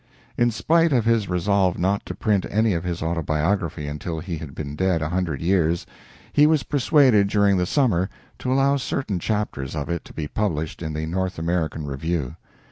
In spite of his resolve not to print any of his autobiography until he had been dead a hundred years, he was persuaded during the summer to allow certain chapters of it to be published in "The North American Review."